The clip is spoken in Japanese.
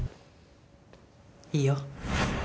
いいよ。